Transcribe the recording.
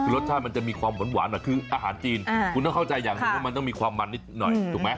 คือรสชาติมันจะมีความหวานหน่อยคืออาหารจีนคุณต้องเข้าใจอย่างหนึ่งว่ามันต้องมีความมันนิดหน่อยถูกไหม